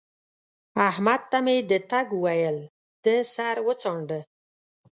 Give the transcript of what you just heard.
احمد ته مې د تګ وويل؛ ده سر وڅانډه